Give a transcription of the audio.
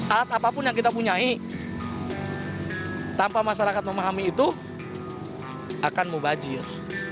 alat apapun yang kita punyai tanpa masyarakat memahami itu akan mubajir